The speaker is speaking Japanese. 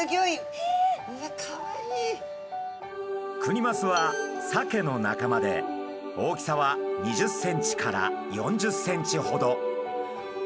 いやクニマスはサケの仲間で大きさは２０ｃｍから４０ｃｍほど。